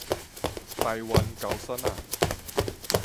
台灣猴山仔